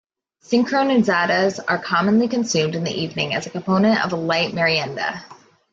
Sincronizadas are commonly consumed in the evening, as a component of a light Merienda.